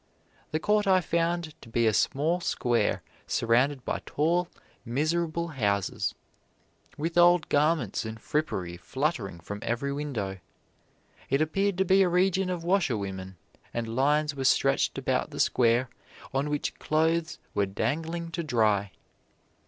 The Court I found to be a small square surrounded by tall, miserable houses, with old garments and frippery fluttering from every window. It appeared to be a region of washerwomen, and lines were stretched about the square on which clothes were dangling to dry.